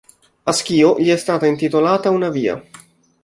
A Schio gli è stata intitolata una via.